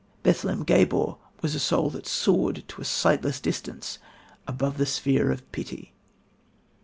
Bethlem Gabor's was a soul that soared to a sightless distance above the sphere of pity."